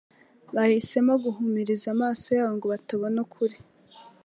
bahisemo guhumiriza amaso yabo ngo batabona ukuri.